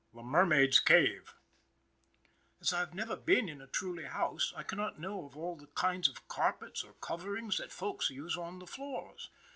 THE MERMAID'S CAVE As I have never been in a truly house, I cannot know of all the kinds of carpets or coverings that Folks use on the floors.